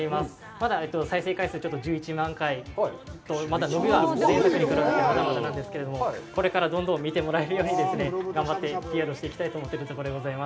まだ再生回数１１万回と、まだまだなんですけど、これからどんどん見てもらえるように頑張ってＰＲをしたいと思っているところでございます。